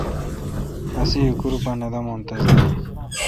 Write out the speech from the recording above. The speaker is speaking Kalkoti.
رسی ایکور پہ نہ دامون رس دا۔